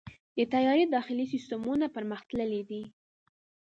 د طیارې داخلي سیستمونه پرمختللي دي.